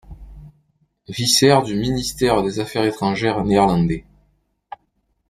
Visser du Ministère des Affaires étrangères néerlandais.